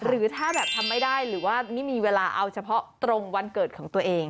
หรือถ้าแบบทำไม่ได้หรือว่าไม่มีเวลาเอาเฉพาะตรงวันเกิดของตัวเอง